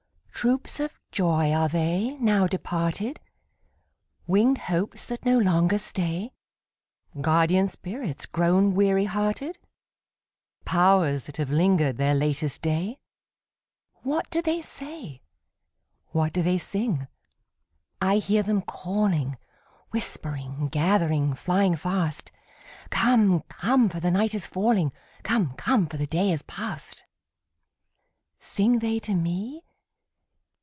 Troops of joys are they, now departed? Winged hopes that no longer stay? Guardian spirits grown weary hearted? Powers that have linger'd their latest day? What do they say? What do they sing? I hear them calling, Whispering, gathering, flying fast, 'Come, come, for the night is falling; Come, come, for the day is past!' Sing they to me?